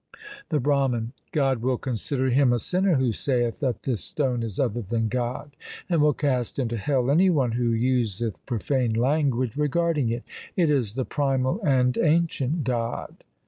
The Brahman God will consider him a sinner who saith that this stone is other than God, and will cast into hell any one who useth profane language regarding it. It is the primal and ancient God.